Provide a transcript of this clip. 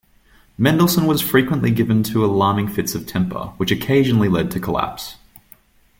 Mendelssohn was frequently given to alarming fits of temper which occasionally led to collapse.